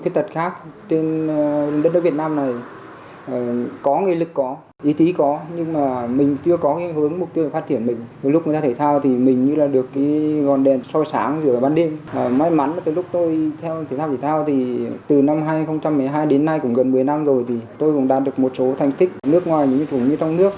từ năm hai nghìn một mươi hai đến nay cũng gần một mươi năm rồi tôi cũng đã được một số thành tích nước ngoài như trong nước